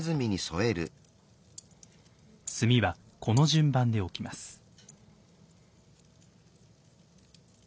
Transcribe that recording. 炭はこの順番で置きます。